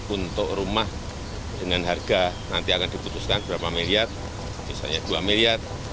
untuk rumah dengan harga nanti akan diputuskan berapa miliar misalnya dua miliar